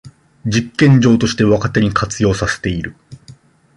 実験場として若手に活用させている